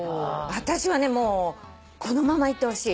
私はねもうこのままいってほしい。